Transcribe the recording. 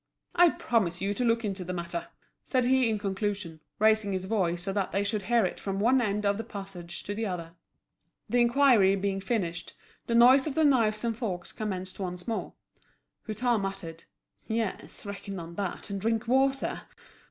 "I promise you to look into the matter," said he in conclusion, raising his voice so that they should hear it from one end of the passage to the other. The inquiry being finished, the noise of the knives and forks commenced once more. Hutin muttered "Yes, reckon on that, and drink water!